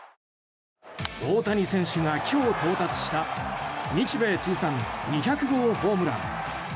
大谷選手が今日到達した日米通算２００号ホームラン。